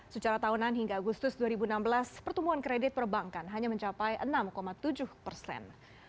secara tahunan hingga agustus dua ribu enam belas pertumbuhan kredit perbankan hanya mencapai enam tujuh persen